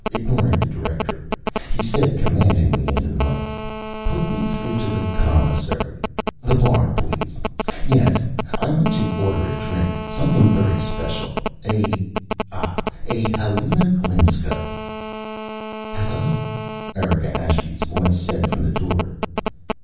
Ignoring the director, he said commandingly into the mike, "Put me through to the commissary. The bar, please. Yes. I want to order a drink. Something very special. A ah a Helena Glinska ""Hello," Erika Ashby's voice said from the door.